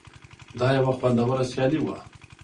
دا یوه خوندوره سیالي وه.